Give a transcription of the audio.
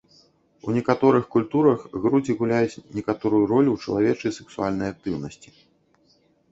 У некаторых культурах грудзі гуляюць некаторую ролю ў чалавечай сексуальнай актыўнасці.